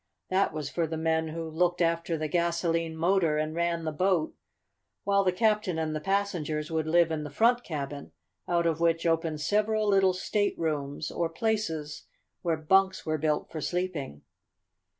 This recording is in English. This was for the men who looked after the gasolene motor and ran the boat, while the captain and the passengers would live in the front cabin, out of which opened several little staterooms, or places where bunks were built for sleeping.